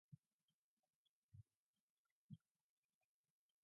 The various pantheons that exist today are the descendants of these earlier gods.